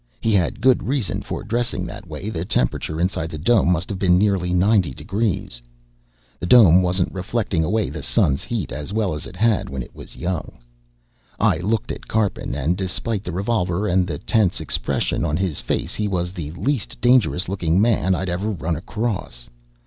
He had good reason for dressing that way, the temperature inside the dome must have been nearly ninety degrees. The dome wasn't reflecting away the sun's heat as well as it had when it was young. I looked at Karpin, and despite the revolver and the tense expression on his face, he was the least dangerous looking man I'd ever run across.